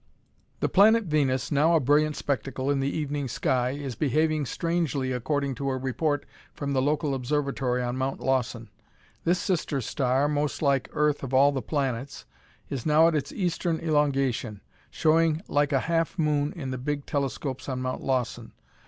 "The planet Venus, now a brilliant spectacle in the evening sky, is behaving strangely according to a report from the local observatory on Mount Lawson. This sister star, most like Earth of all the planets, is now at its eastern elongation, showing like a half moon in the big telescopes on Mt. Lawson.